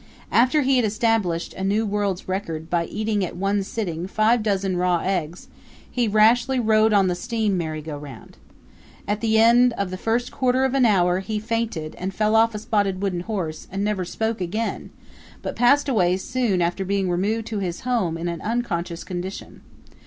After he had established a new world's record by eating at one sitting five dozen raw eggs he rashly rode on the steam merry go round. At the end of the first quarter of an hour he fainted and fell off a spotted wooden horse and never spoke again, but passed away soon after being removed to his home in an unconscious condition.